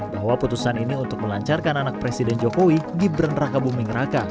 bahwa putusan ini untuk melancarkan anak presiden jokowi gibran raka buming raka